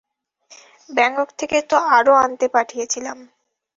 Bangkok থেকে তো আরো আনতে পাঠিয়েছিলাম।